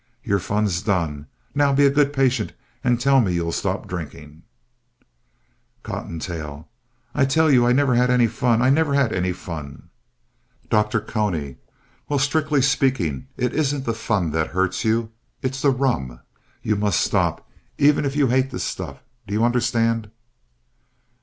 Your fun's done. Now, be a good patient and tell me you'll stop drinking COTTONTAIL I tell you I never had any fun. I never had any fun DR. CONY Well, strictly speaking, it isn't the fun that hurts you, it's the rum. You must stop, even if you hate the stuff. Do you understand?